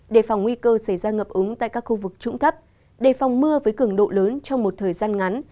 đề phòng nguy cơ xảy ra ngập ống tại các khu vực trũng thấp đề phòng mưa với cường độ lớn trong một thời gian ngắn